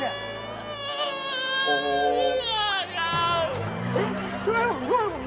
อยากตายเหรอ